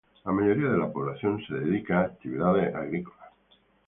La mayoría de la población se dedica a actividades agrícolas.